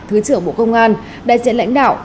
thứ trưởng bộ công an đại diện lãnh đạo